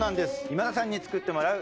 今田さんに作ってもらう。